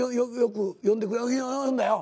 呼んだよ。